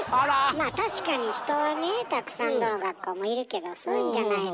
まあ確かに人はねたくさんどの学校もいるけどそういうんじゃないのよ。